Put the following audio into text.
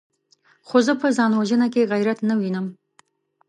خو زه په ځان وژنه کې غيرت نه وينم!